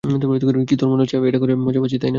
কী, তোর মনে হচ্ছে আমি এটা করে মজা পাচ্ছি?